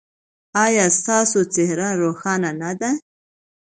ایا ستاسو څیره روښانه نه ده؟